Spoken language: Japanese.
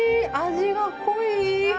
味が濃い。